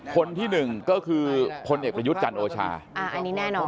คนที่หนึ่งก็คือพลเอกประยุทธ์จันทร์โอชาอันนี้แน่นอน